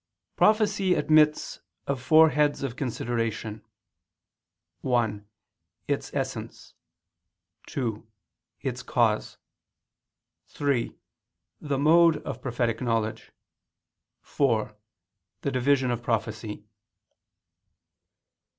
Prophecy admits of four heads of consideration: (1) its essence; (2) its cause; (3) the mode of prophetic knowledge; (4) the division of prophecy.